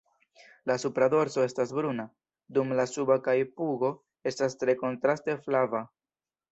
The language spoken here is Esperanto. La supra dorso estas bruna, dum la suba kaj pugo estas tre kontraste flava.